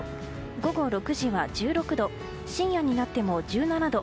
午後６時は１６度深夜になっても１７度。